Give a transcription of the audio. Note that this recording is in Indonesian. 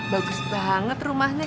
bagus banget rumahnya